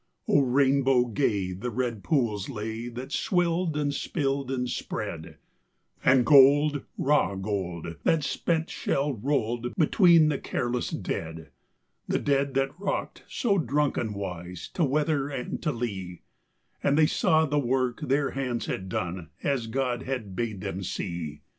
O rainbow gay the red pools lay that swilled and spilled and spread, And gold, raw gold, the spent shell rolled between the careless dead The dead that rocked so drunkenwise to weather and to lee, And they saw the work their hands had done as God had bade them see!